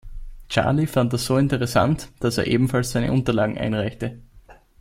Charlie fand das so interessant, dass er ebenfalls seine Unterlagen einreichte.